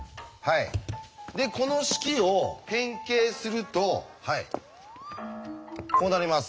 でこの式を変形するとこうなります。